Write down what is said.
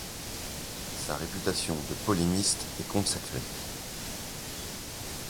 Sa réputation de polémiste est consacrée.